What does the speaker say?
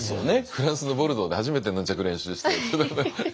フランスのボルドーで初めてヌンチャク練習して。